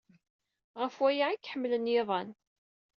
Ɣef waya ay k-ḥemmlen yiḍan.